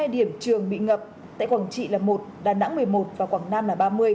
hai mươi điểm trường bị ngập tại quảng trị là một đà nẵng một mươi một và quảng nam là ba mươi